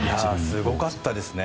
すごかったですね。